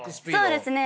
そうですね。